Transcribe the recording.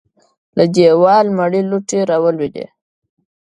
له دېواله مړې لوټې راولوېدې.